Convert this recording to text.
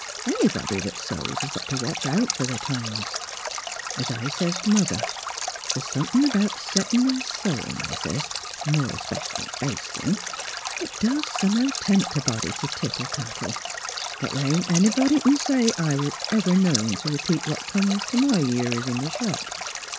Anybody 'at sews has got to watch out fer their tongues. As I sez t' Mother, * the's somethin' about settin' an' se\vin',' I sez, '— more especial bastin' — that doos somehow tempt a body t' tittle tattle.' But the' ain't anybody c'n say I was ever known t' repeat what comes t' my years in the shop.